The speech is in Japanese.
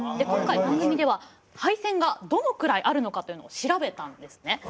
今回番組では廃線がどのくらいあるのかというのを調べたんですね。